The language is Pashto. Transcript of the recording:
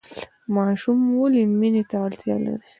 ماشوم ولې مینې ته اړتیا لري؟